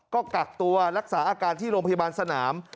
ก็กักตัวรักษาอาการที่โรงพยาบาลสนาม